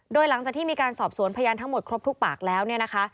โดยหลังจากที่มีการสอบสวนพยานทั้งหมดครบทุกปากแล้วเนี่ยนะคะ